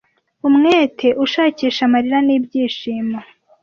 umwete ushakisha amarira n'ibyishimo